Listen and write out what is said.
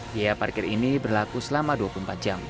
biaya parkir ini berlaku selama dua puluh empat jam